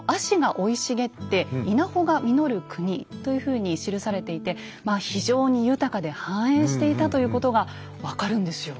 まあつまりというふうに記されていて非常に豊かで繁栄していたということが分かるんですよ。